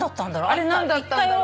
あれ何だったんだろうね。